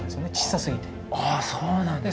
あそうなんですか。